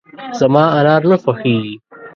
زما انار نه خوښېږي .